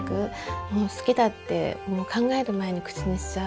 もう好きだって考える前に口にしちゃう。